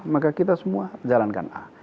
maka kita semua jalankan a